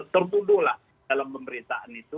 terpunduh lah dalam pemberitaan itu